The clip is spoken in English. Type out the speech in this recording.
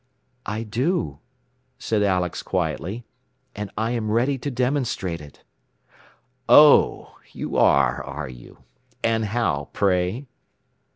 "I do," said Alex quietly. "And I am ready to demonstrate it." "Oh, you are, are you? And how, pray?"